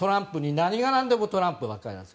何が何でもトランプばっかりなんです。